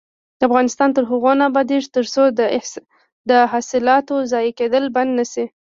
افغانستان تر هغو نه ابادیږي، ترڅو د حاصلاتو ضایع کیدل بند نشي.